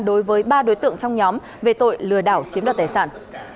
đối với ba đối tượng trong nhóm về tội lừa đảo chiếm đoạt tài sản